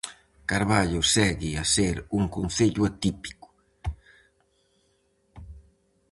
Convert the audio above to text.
Carballo segue a ser un concello atípico.